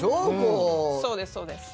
そうです、そうです。